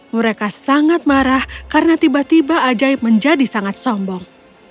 mereka sangat marah karena tiba tiba ajaib menjadi sangat sombong